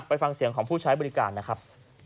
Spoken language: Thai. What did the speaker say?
ฟังเสียงของผู้ใช้บริการนะครับ